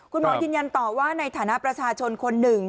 คุณหมอยืนยันต่อว่าในฐานะประชาชนคนหนึ่ง